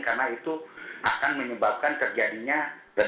karena itu akan menyebabkan terjadinya ledakan